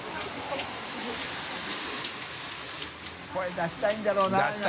出したいんだろうな今な。